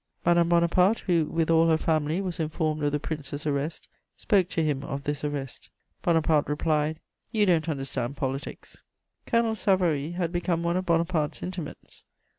Madame Bonaparte, who, with all her family, was informed of the Prince's arrest, spoke to him of this arrest. Bonaparte replied: "You don't understand politics." Colonel Savary had become one of Bonaparte's intimates.